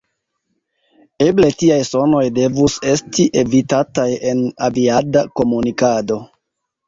Eble tiaj sonoj devus esti evitataj en aviada komunikado.